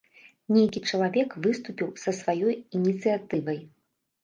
Нейкі чалавек выступіў са сваёй ініцыятывай.